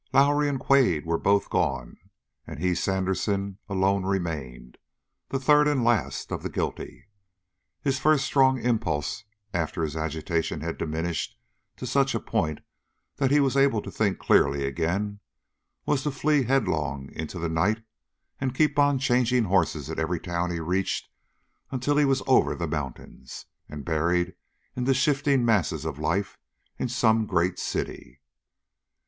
Lowrie and Quade were both gone; and he, Sandersen, alone remained, the third and last of the guilty. His first strong impulse, after his agitation had diminished to such a point that he was able to think clearly again, was to flee headlong into the night and keep on, changing horses at every town he reached until he was over the mountains and buried in the shifting masses of life in some great city.